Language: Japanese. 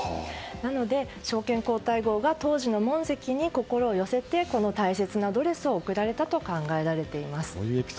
なので、昭憲皇太后が当時の問跡に心を寄せてこの大切なドレスを贈られたと考えられています。